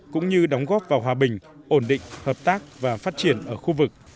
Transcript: cũng như đóng góp vào hòa bình ổn định hợp tác và phát triển ở khu vực